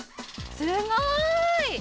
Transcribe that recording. すごーい！